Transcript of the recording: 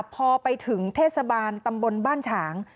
พอไปถึงเทศบาลตำบลบ้านฉาง